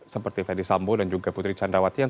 seperti fendi sambo dan juga putri candrawati yang